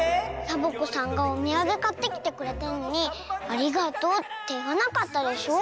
サボ子さんがおみやげかってきてくれたのに「ありがとう」っていわなかったでしょ。